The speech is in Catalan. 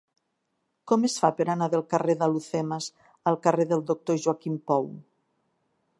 Com es fa per anar del carrer d'Alhucemas al carrer del Doctor Joaquim Pou?